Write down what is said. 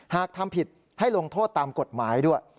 หากทำผิดให้ลงโทษตามกฎหมายด้วย